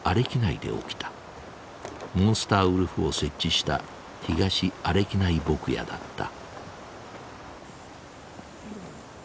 モンスターウルフを設置した東阿歴内牧野だった。